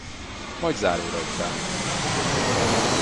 Majd záróra után.